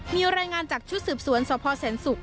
มีรายงานจากชุดสืบสวนสพแสนศุกร์